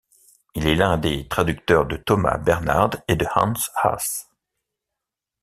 Il est l'un des traducteurs de Thomas Bernhard et de Hans Hass.